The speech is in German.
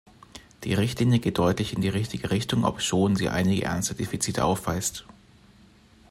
Die Richtlinie geht deutlich in die richtige Richtung, obschon sie einige ernste Defizite aufweist.